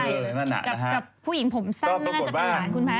กับผู้หญิงผมสั้นน่าจะเป็นหลานคุณแพท